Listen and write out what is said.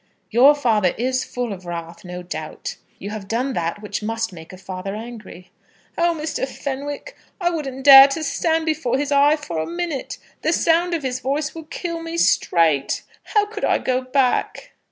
"Your father is full of wrath, no doubt. You have done that which must make a father angry." "Oh, Mr. Fenwick, I wouldn't dare to stand before his eye for a minute. The sound of his voice would kill me straight. How could I go back?"